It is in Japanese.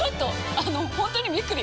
あの本当にびっくり！